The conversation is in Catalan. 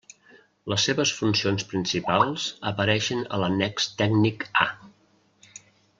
Les seves funcions principals apareixen a l'annex tècnic A.